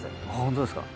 本当ですか。